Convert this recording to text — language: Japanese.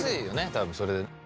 多分それで。